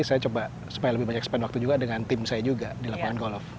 saya coba supaya lebih banyak spend waktu juga dengan tim saya juga di lapangan golf